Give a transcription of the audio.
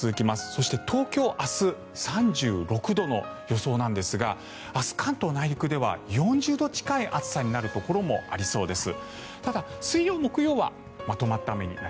そして東京明日、３６度の予想なんですが明日、関東内陸では４０度近い暑さになるところもありそうです。